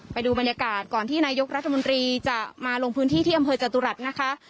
ไปดูบรรยากาศก่อนที่นายกรัฐมนตรีจะมาลงพื้นที่ที่อำเภอจตุรัสนะคะ